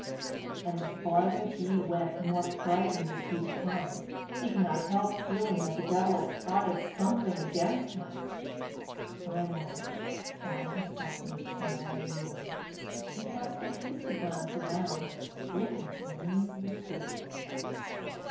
And the farther he went the more frightened did he become. He could not help feeling that the devil had plotted something against him. Finally he found himself in a small room, and cast a hasty glance around, looking for a means of escape.